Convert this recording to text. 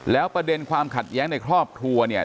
แล้วประเด็นความขัดแย้งในครอบครัวเนี่ย